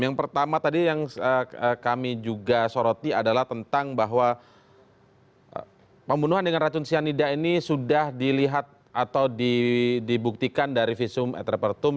yang pertama tadi yang kami juga soroti adalah tentang bahwa pembunuhan dengan racun cyanida ini sudah dilihat atau dibuktikan dari visum et repertum